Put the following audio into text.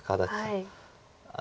はい。